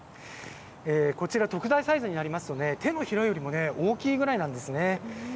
こちら、特大サイズになりますとね、てのひらよりも大きいぐらいなんですね。